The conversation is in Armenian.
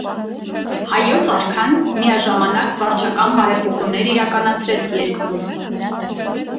Հայոց արքան միաժամանակ վարչական բարեփոխումներ իրականացրեց երկրում։